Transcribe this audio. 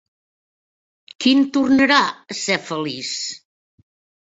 Quin tornarà a ser feliç?